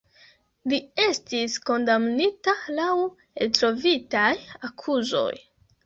Li estis kondamnita laŭ eltrovitaj akuzoj.